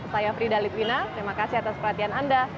saya frida litwina terima kasih atas perhatian anda